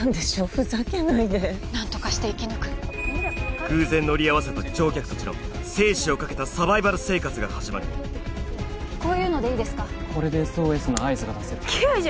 ふざけないでなんとかして生き抜く偶然乗り合わせた乗客たちの生死をかけたサバイバル生活が始まるこういうのでいいですかこれでＳＯＳの合図が出せる救助？